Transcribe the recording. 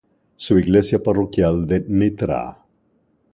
Su Iglesia parroquial de Ntra.